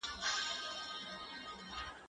زه به درسونه لوستي وي!.